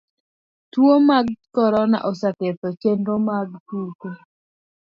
tuo mar corona oseketho chenro mag tuke